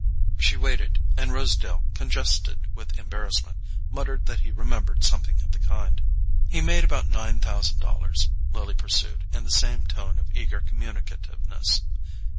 She waited, and Rosedale, congested with embarrassment, muttered that he remembered something of the kind. "He made about nine thousand dollars," Lily pursued, in the same tone of eager communicativeness.